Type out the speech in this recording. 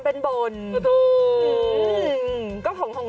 แค่นี้ทำเป็นห่วง